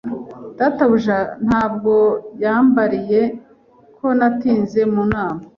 Databuja ntabwo yambabariye ko natinze mu nama.